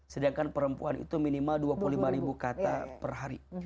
sedangkan perempuan itu minimal dua puluh lima ribu kata per hari